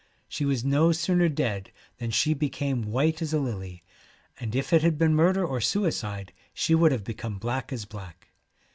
She was no sooner dead than she became white as a lily, and if it had been murder or suicide she would have become black as black.